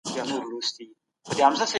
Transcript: خو پایلې یې هیڅ نه وې.